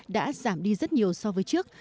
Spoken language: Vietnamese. đã giảm đi rất nhiều so với trước